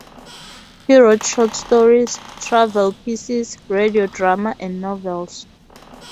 He wrote short stories, travel pieces, radio drama and novels.